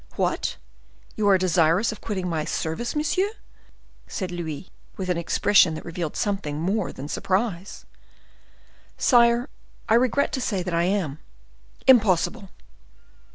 "What, you are desirous of quitting my service, monsieur?" said Louis, with an expression that revealed something more than surprise. "Sire, I regret to say that I am." "Impossible!"